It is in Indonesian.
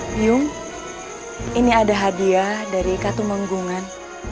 byung ini ada hadiah dari katu menggungan